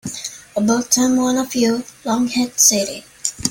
About time one of you lunkheads said it.